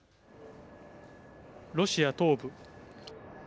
ロシア東部。